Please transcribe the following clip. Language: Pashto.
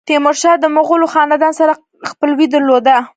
تیمورشاه د مغولو خاندان سره خپلوي درلوده.